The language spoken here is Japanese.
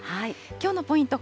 きょうのポイント